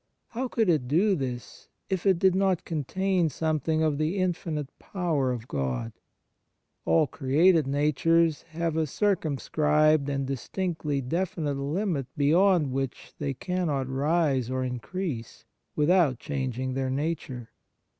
How could it do this if it did not contain something of the infinite power of God ? All created natures have a circum scribed and distinctly definite limit beyond which they cannot rise or increase, with out changing their nature.